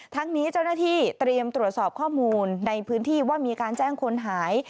ทั้งนี้เจ้าหน้าที่เตรียมตรวจสอบข้อมูลในพื้นที่ว่ามีการแจ้งคนหาย